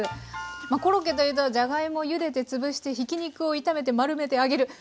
まあコロッケというとじゃがいもをゆでて潰してひき肉を炒めて丸めて揚げる